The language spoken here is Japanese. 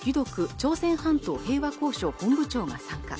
朝鮮半島平和交渉本部長が参加